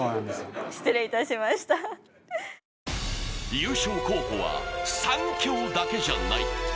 優勝候補は３強だけじゃない。